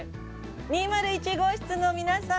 ２０１号室の皆さん！